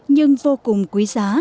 nhưng vô cùng quý giá